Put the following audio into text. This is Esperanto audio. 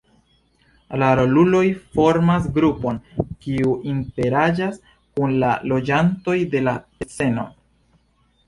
La roluloj formas grupon kiu interagas kun la loĝantoj de la sceno.